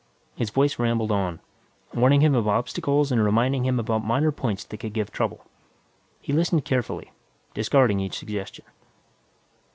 His voice rambled on, warning him of obstacles and reminding him about minor points that could give trouble. He listened carefully, discarding each suggestion.